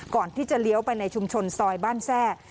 ก่อนที่จะเลี้ยวไปในชุมชนซอยบ้านแทรก